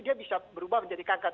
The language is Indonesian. dia bisa berubah menjadi kanker